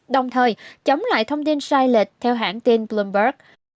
đồng thời chống lại thông tin sai lệch theo hãng tin cloumberg